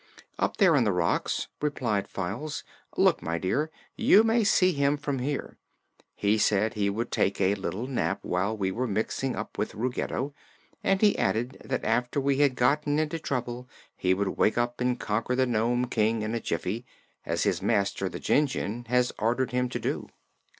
"Up there on the rocks," replied Files. "Look, my dear; you may see him from here. He said he would take a little nap while we were mixing up with Ruggedo, and he added that after we had gotten into trouble he would wake up and conquer the Nome King in a jiffy, as his master the Jinjin has ordered him to do."